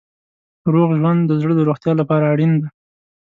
روغ ژوند د زړه د روغتیا لپاره اړین دی.